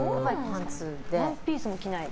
ワンピースも着ない？